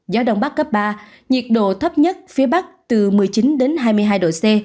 gió đông bắc cấp ba nhiệt độ thấp nhất phía bắc từ một mươi chín đến hai mươi hai độ c